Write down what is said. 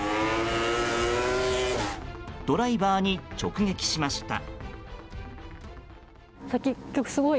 ドライバーに直撃しました。